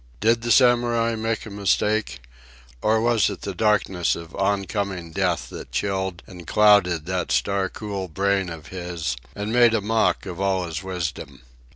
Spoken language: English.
Did the Samurai make a mistake? Or was it the darkness of oncoming death that chilled and clouded that star cool brain of his, and made a mock of all his wisdom?